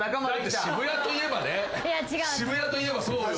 渋谷といえばそうよ。